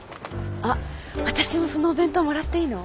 あっ私もそのお弁当もらっていいの？